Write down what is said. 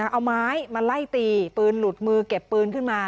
เอาไม้มาไล่ตีปืนหลุดมือเก็บปืนขึ้นมา